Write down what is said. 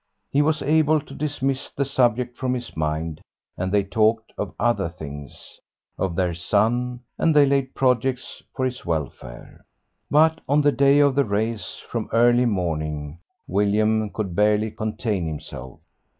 He was able to dismiss the subject from his mind, and they talked of other things, of their son, and they laid projects for his welfare. But on the day of the race, from early morning, William could barely contain himself.